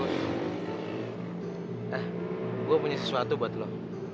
ah saya punya sesuatu buat kamu